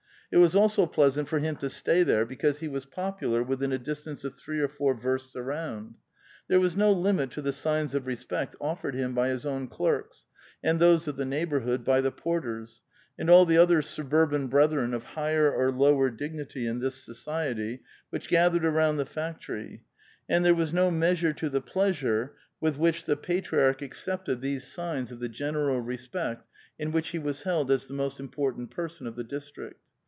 It was also pleasant for him to stay there because he was popular within a dis tance of three or four versts around. Tliere was no limit to the signs of respect off*ered him by his own clerks and tliose of the neighborhood, by the porters, and all the other sub urban brethren of higher or lower dignity in this society which gathered around the factory, and there was no meas ure to the pleasure with which the patriarch accepted these 446 A VITAL QUESTION. signs of the general respect in whicb he was held as the most imi)ortant person of the district.